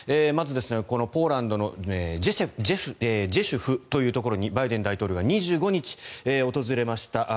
まず、ポーランドのジェシュフというところにバイデン大統領が２５日訪れました。